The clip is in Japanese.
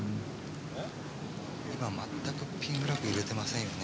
今全くピンフラグ揺れてませんよね。